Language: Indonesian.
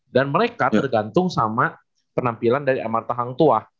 dan mereka tergantung sama penampilan dari amartya hang tuah